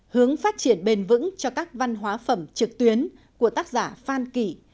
hướng phát triển bền vững cho các văn hóa phẩm trực tuyến của tác giả phan kỳ